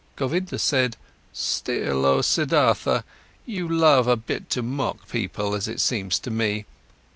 Govinda said: "Still, oh Siddhartha, you love a bit to mock people, as it seems to me.